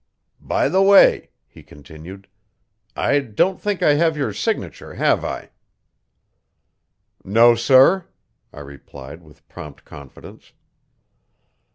"By the way," he continued, "I don't think I have your signature, have I?" "No, sir," I replied with prompt confidence.